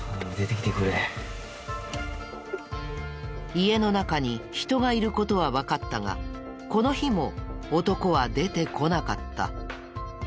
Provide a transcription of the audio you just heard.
家の中に人がいる事はわかったがこの日も男は出てこなかった。